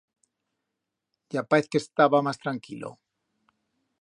Ya paez que estaba mas tranquilo.